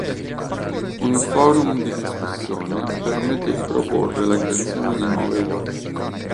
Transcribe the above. Un forum di discussione permette di proporre la creazione di nuove voci.